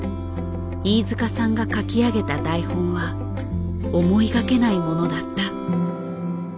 飯塚さんが書き上げた台本は思いがけないものだった。